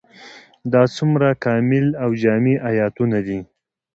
دا څومره کامل او جامع آيتونه دي ؟